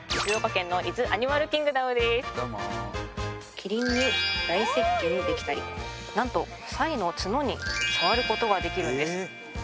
キリンに大接近ができたり何とサイの角に触ることができるんです